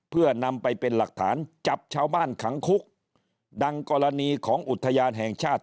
เพื่อนำไปเป็นหลักฐานจับชาวบ้านขังคุกดังกรณีของอุทยานแห่งชาติ